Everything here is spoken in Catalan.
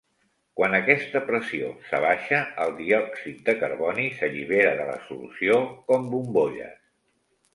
Quan aquesta pressió s'abaixa el diòxid de carboni s'allibera de la solució com bombolles.